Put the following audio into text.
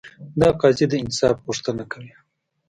دا قاضي د انصاف غوښتنه کوي.